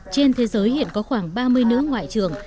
trên thế giới hiện có khoảng ba mươi nữ ngoại trưởng